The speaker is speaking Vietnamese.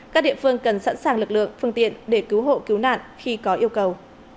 các địa phương cần sẵn sàng lực lượng phương tiện để cứu hộ cứu nạn khi có yêu cầu